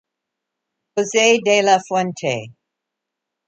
Jose de la Fuente.